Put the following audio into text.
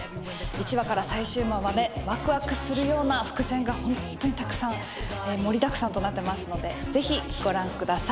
１話から最終話までワクワクするような伏線がホントにたくさん盛りだくさんとなってますのでぜひご覧ください。